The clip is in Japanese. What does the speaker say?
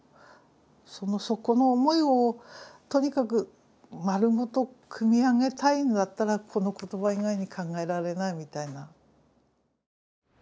その底の思いをとにかく丸ごとくみ上げたいんだったらこの言葉以外に考えられないみたいな。